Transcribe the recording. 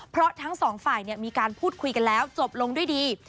เพราะทั้งสองฝ่ายมีการพูดคุยกันแล้วจบลงด้วยดี